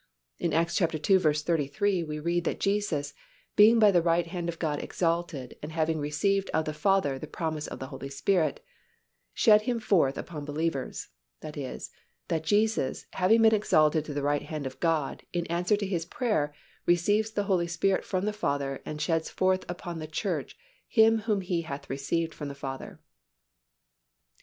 In Acts ii. 33 we read that Jesus "Being by the right hand of God exalted and having received of the Father the promise of the Holy Spirit," shed Him forth upon believers; that is, that Jesus, having been exalted to the right hand of God, in answer to His prayer, receives the Holy Spirit from the Father and sheds forth upon the Church Him whom He hath received from the Father.